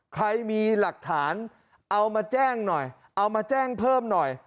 ใครมีหลักฐานเอามาแจ้งหน่อยเอามาแจ้งเพิ่มหน่อย